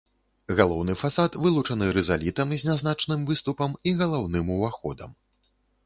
Галоўны фасад вылучаны рызалітам з нязначным выступам і галаўным уваходам.